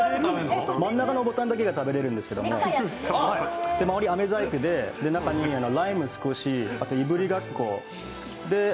真ん中のボタンだけが食べられるんですけど、周り、あめ細工で中にライムが少し、あと、いぶりがっこ。